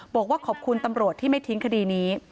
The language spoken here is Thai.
บอกว่าขอบคุณตำรวจที่ไม่ทิ้งคดีนี้